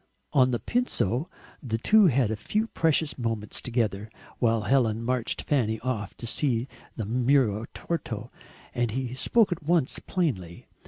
On the Pincio the two had a few precious moments together, while Helen marched Fanny off to see the muro Torto, and he spoke at once plainly.